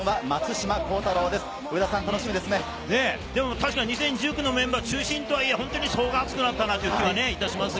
確かに２０１９年のメンバー中心とはいえ、層が厚くなったという気がします。